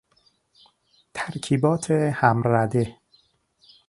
ترکیبات همرده